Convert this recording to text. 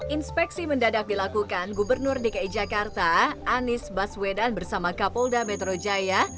inspeksi mendadak dilakukan gubernur dki jakarta anies baswedan bersama kapolda metro jaya